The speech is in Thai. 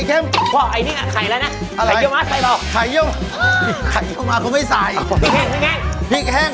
เออถั่วถั่วถั่วถั่วเออเอามามามามามามาปุ๊บกุ้ง